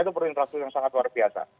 itu perlu infrastruktur yang sangat luar biasa